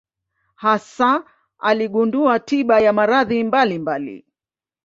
Hasa aligundua tiba ya maradhi mbalimbali.